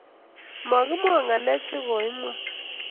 Makimwon ng'alek che koimwa